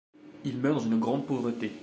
Il meurt dans une grande pauvreté.